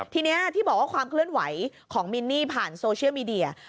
ทีนี้ที่บอกว่าความเคลื่อนไหวของมินนี่ผ่านโซเชียลมีเดีย